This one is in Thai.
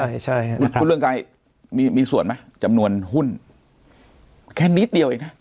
ใช่ค่ะคุณเรืองไกรมีมีส่วนไหมจำนวนหุ้นแค่นิดเดียวเองนะ